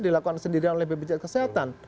dilakukan sendirian oleh bpkp kesehatan